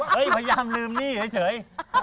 พยายามลืมหนี้เฉย